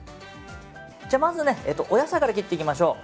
まずお野菜から切っていきましょう。